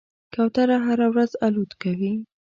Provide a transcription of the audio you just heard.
کوتره هره ورځ الوت کوي.